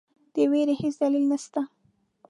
د وېرې هیڅ دلیل نسته.